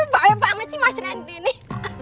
bapak masih mas randy nih